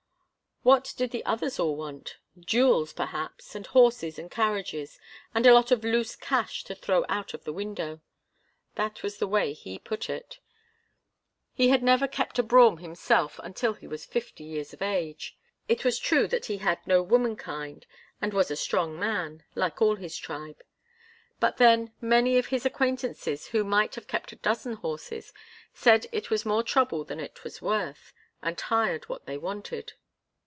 What did the others all want? Jewels, perhaps, and horses and carriages and a lot of loose cash to throw out of the window. That was the way he put it. He had never kept a brougham himself until he was fifty years of age. It was true that he had no womankind and was a strong man, like all his tribe. But then, many of his acquaintances who might have kept a dozen horses, said it was more trouble than it was worth, and hired what they wanted.